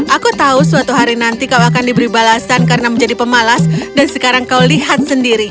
aku tahu suatu hari nanti kau akan diberi balasan karena menjadi pemalas dan sekarang kau lihat sendiri